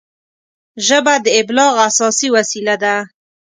ژبه د ابلاغ اساسي وسیله ده